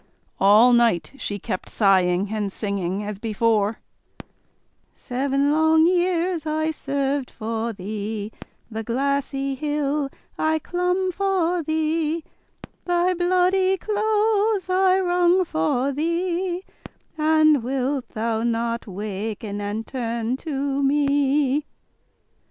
All night she kept sighing and singing as before: "Seven long years I served for thee, The glassy hill I clomb for thee, Thy bloody clothes I wrang for thee; And wilt thou not waken and turn to me?"